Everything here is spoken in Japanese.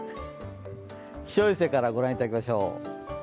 気象衛星から御覧いただきましょう。